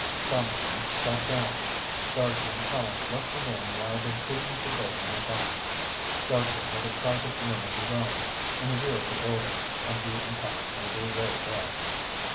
Saunderson sat down. Dartrey and Tallente left the room while the business of voting went on. Dartrey had a private room of his own in the rear of the building and he and Tallente made their way there.